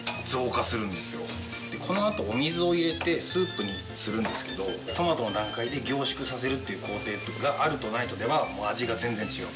このあとお水を入れてスープにするんですけどトマトの段階で凝縮させるっていう工程があるとないとでは味が全然違うんです。